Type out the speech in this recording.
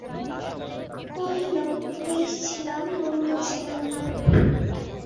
কহিল, বেশ ছিলাম, মন্দ ছিলাম না।